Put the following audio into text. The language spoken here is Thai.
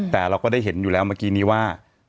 แต่เราก็ได้เห็นอยู่แล้วเมื่อกี้นี้ว่า